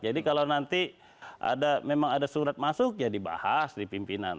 jadi kalau nanti memang ada surat masuk ya dibahas di pimpinan